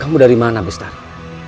kamu dari mana bistari